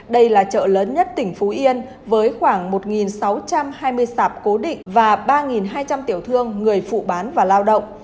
đây là chợ lớn nhất tỉnh phú yên với khoảng một sáu trăm hai mươi sạp cố định và ba hai trăm linh tiểu thương người phụ bán và lao động